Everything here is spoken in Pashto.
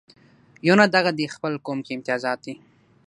یونه دغه دې خپل قوم کې امتیازات دي.